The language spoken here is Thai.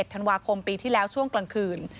ธันวาคมปีที่แล้วช่วงกลางคืน